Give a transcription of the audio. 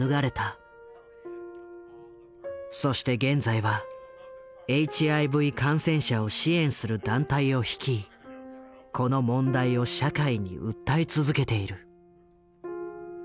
そして現在はＨＩＶ感染者を支援する団体を率いこの問題を社会に訴え続けている。